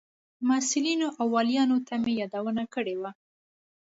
مسئولینو او والیانو ته مې یادونې کړې وې.